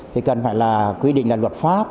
thì cần phải là quy định là luật pháp